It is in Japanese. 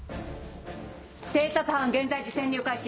偵察班現在時潜入開始。